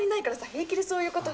平気でそういうこと。